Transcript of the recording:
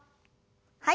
はい。